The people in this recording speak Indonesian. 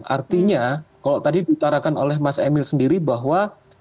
artinya kalau tadi diutarakan oleh mas emil sendiri bahwa